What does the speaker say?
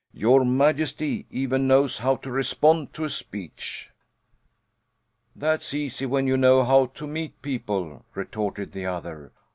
Your Majesty even knows how to respond to a speech." "That's easy when you know how to meet people," retorted the other.